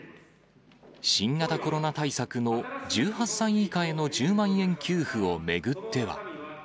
新型コロナ対策の１８歳以下への１０万円給付を巡っては。